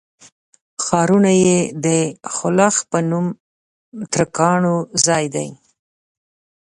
ښارونه یې د خلُخ په نوم ترکانو ځای دی.